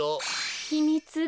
ひみつが。